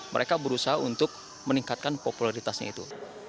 mereka berusaha untuk meningkatkan popularitasnya itu